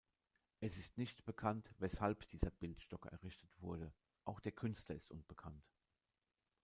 Es ist nicht bekannt, weshalb dieser Bildstock errichtet wurde; auch der Künstler ist unbekannt.